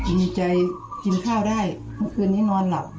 ดีใจกินข้าวได้เมื่อคืนนี้นอนหลับ